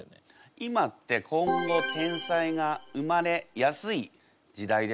今って今後天才が生まれやすい時代ですか？